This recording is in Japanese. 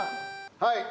はい。